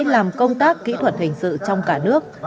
làm công tác kỹ thuật hình sự trong cả nước